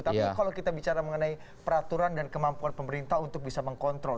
tapi kalau kita bicara mengenai peraturan dan kemampuan pemerintah untuk bisa mengkontrol